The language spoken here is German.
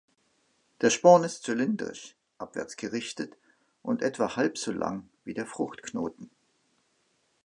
Der Sporn ist zylindrisch, abwärts gerichtet und etwa halb so lang wie der Fruchtknoten.